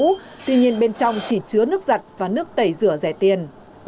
tuy nhiên bên trong chỉ chứa nước giặt và nước tẩy rửa rẻ tiền